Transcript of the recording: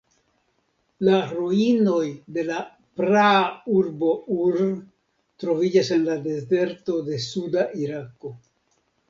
La ruinoj de la praa urbo Ur troviĝas en la dezerto de suda Irako.